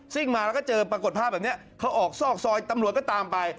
มาแล้วก็เจอปรากฏภาพแบบนี้เขาออกซอกซอยตำรวจก็ตามไป